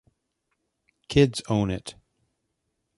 Kids own it.